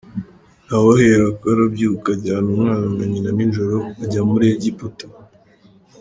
Na we aherako arabyuka ajyana umwana na nyina nijoro, ajya muri Egiputa